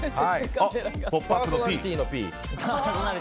あ、「ポップＵＰ！」のＰ？